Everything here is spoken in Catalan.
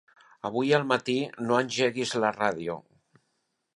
Avui al matí no engeguis la ràdio.